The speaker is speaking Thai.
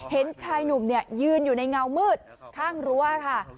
เห็นชายหนุ่มเนี่ยยืนอยู่ในเงามืดข้างรั้วค่ะ